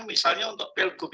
misalnya untuk pilkada